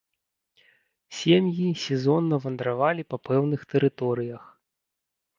Сем'і сезонна вандравалі па пэўных тэрыторыях.